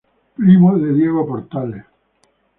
Primo de Diego Portales.